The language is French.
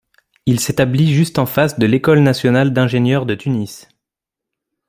Il s'établit juste en face de l'École nationale d'ingénieurs de Tunis.